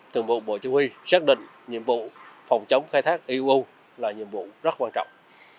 thường vụ bộ chỉ huy xác định nhiệm vụ phòng chống khai thác iuu là nhiệm vụ rất quan trọng